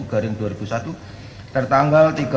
garing dua ribu satu tertanggal